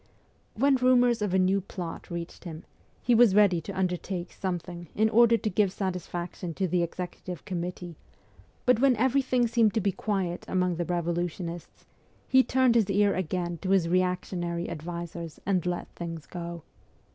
When rumours of a new plot reached him, he was ready to undertake something, in order to give satis faction to the Executive Committee ; but when every thing seemed to be quiet among the revolutionists, he turned his ear again to his reactionary advisers, and let things go.